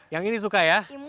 yang ini suka ya